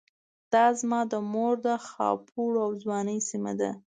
دا زما د مور د خاپوړو او ځوانۍ سيمه ده.